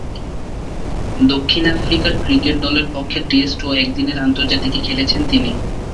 দক্ষিণ Africa cricket দলের পক্ষে টেস্ট ও একদিনের আন্তর্জাতিকে খেলেছেন তিনি।